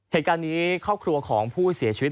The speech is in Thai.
เหตุการณ์นี้ครอบครัวของผู้เสียชีวิต